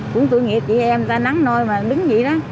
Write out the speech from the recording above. cũng tội nghiệp chị em ta nắng nôi mà đứng vậy đó